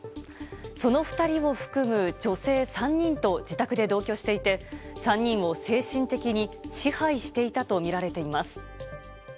その２人を含む女性３人と自宅で同居していて３人を精神的に支配していたとみられています。